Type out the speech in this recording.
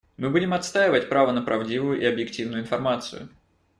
Мы будем отстаивать право на правдивую и объективную информацию.